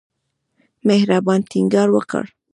مهربان ټینګار وکړ.